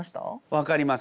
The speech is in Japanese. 分かります。